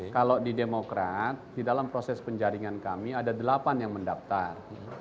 kalau di demokrat di dalam proses penjaringan kami ada delapan yang mendaftar